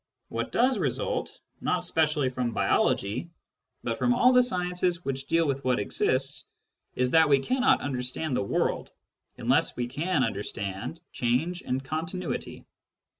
What does result, not specially from biology, but from all the sciences which deal with what exists, is that we cannot understand the world unless we can understand change and continuity.